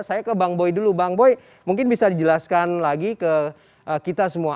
saya ke bang boy dulu bang boy mungkin bisa dijelaskan lagi ke kita semua